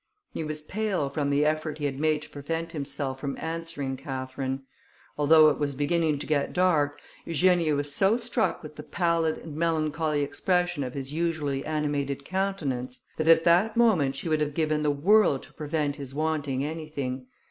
He was pale from the effort he had made to prevent himself from answering Catherine. Although it was beginning to get dark, Eugenia was so struck with the pallid and melancholy expression of his usually animated countenance, that at that moment she would have given the world to prevent his wanting anything.